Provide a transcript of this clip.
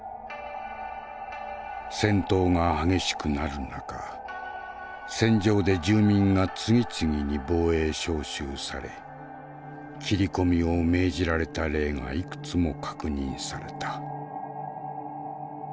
戦闘が激しくなる中戦場で住民が次々に防衛召集され斬り込みを命じられた例がいくつも確認された。